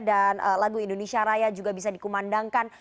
dan lagu indonesia raya juga bisa dikumandangkan